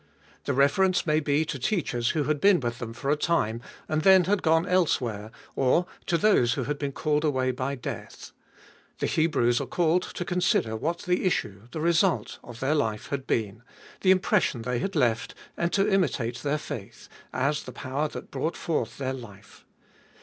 The reference may be to teachers who had been with them for a time, and then had gone elsewhere, or to those who had been called away by death. The Hebrews are called to consider what the issue, the result, of their life had been, the impression they had left, and to imitate their faith, as the power that brought forth their life.